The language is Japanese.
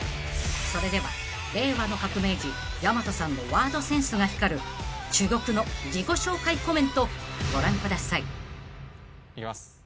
［それでは令和の革命児やまとさんのワードセンスが光る珠玉の自己紹介コメントご覧ください］いきます。